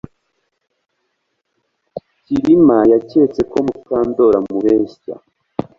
Kirima yaketse ko Mukandoli amubeshya